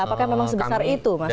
apakah memang sebesar itu mas